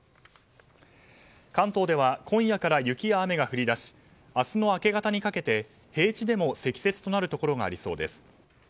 関東では今夜から雪や雨が降り出し明日の明け方にかけて平地でも積雪となるところがありそうです。